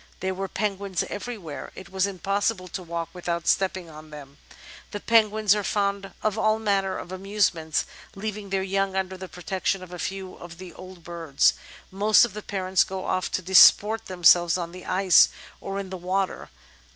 There were penguins everywhere ; it was impossible to walk without stepping on them." The penguins are fond of all manner of amusements; leav ing their yoimg under the protection of a few of the old birds, most of the parents go off to disport themselves on the ice or in the water.